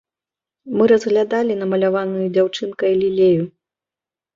Мы разглядалі намаляваную дзяўчынкай лілею.